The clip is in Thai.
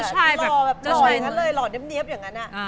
หล่อแบบหล่ออย่างนั้นเลยหล่อเนี๊ยบอย่างนั้น